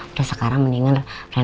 udah sekarang mendingan rena tidur aja dulu